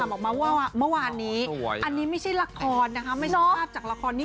ออกมาว่าเมื่อวานนี้อันนี้ไม่ใช่ละครนะคะไม่ใช่ภาพจากละครนี้